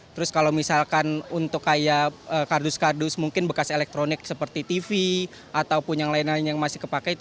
terus kalau misalkan untuk kayak kardus kardus mungkin bekas elektronik seperti tv ataupun yang lain lain yang masih kepake